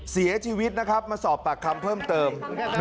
เสียชีวิตมาสอบปากคำเพิ่มเติม